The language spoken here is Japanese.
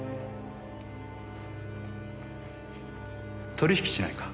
取引しないか。